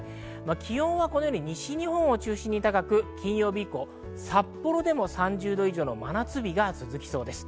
気温は西日本を中心に高く、金曜日以降、札幌でも３０度以上の真夏日が続きそうです。